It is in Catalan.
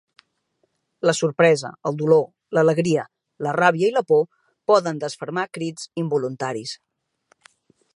La sorpresa, el dolor, l'alegria, la ràbia i la por poden desfermar crits involuntaris.